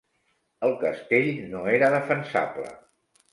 El castell no era defensable.